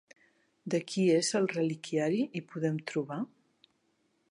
De qui és el reliquiari hi podem trobar?